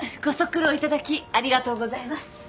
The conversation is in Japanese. ご足労いただきありがとうございます。